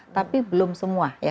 tapi belum semua ya